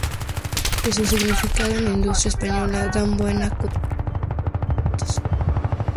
De su significado en la industria española dan buena cuenta los siguientes datos.